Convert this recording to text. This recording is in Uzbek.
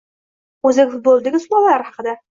O‘zbek futbolidagi sulolalar haqida